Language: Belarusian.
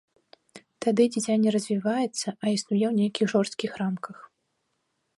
Тады дзіця не развіваецца, а існуе ў нейкіх жорсткіх рамках.